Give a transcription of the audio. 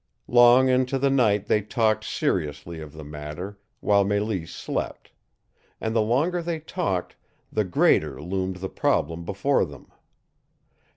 Long into the night they talked seriously of the matter, while Mélisse slept; and the longer they talked, the greater loomed the problem before them.